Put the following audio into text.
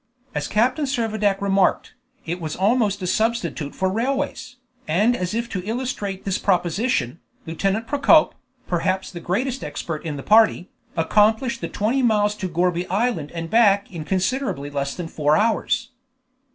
As Captain Servadac remarked, it was almost a substitute for railways, and as if to illustrate this proposition, Lieutenant Procope, perhaps the greatest expert in the party, accomplished the twenty miles to Gourbi Island and back in considerably less than four hours.